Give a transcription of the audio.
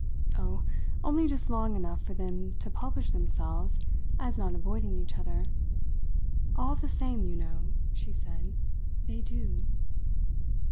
"Oh, only just long enough for them to publish themselves as not avoiding each other. All the same, you know," she said, "they do."